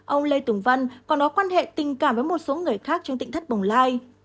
ông lê tùng văn còn có quan hệ tình cảm với một số người khác trong tỉnh thất bồng lai